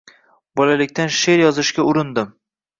Bolalikdan she’r yozishga urindim.